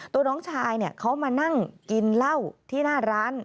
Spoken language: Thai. น้องชายเขามานั่งกินเหล้าที่หน้าร้าน